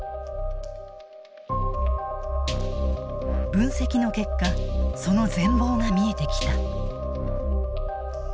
分析の結果その全貌が見えてきた。